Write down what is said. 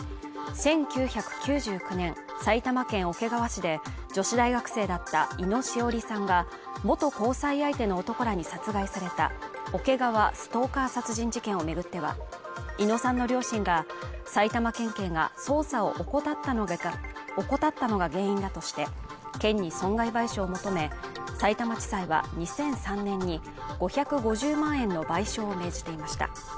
１９９９年埼玉県桶川市で女子大学生だった猪野詩織さんが元交際相手の男らに殺害された桶川ストーカー殺人事件を巡っては猪野さんの両親が埼玉県警が捜査を怠ったのが原因だとして県に損害賠償を求めさいたま地裁は２００３年に５５０万円の賠償を命じていました